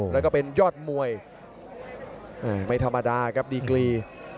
แล้วก็เป็นยอดมวยไม่ธรรมดาครับดีกรี